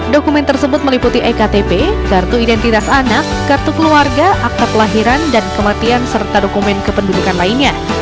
dokumen tersebut meliputi ektp kartu identitas anak kartu keluarga akta kelahiran dan kematian serta dokumen kependudukan lainnya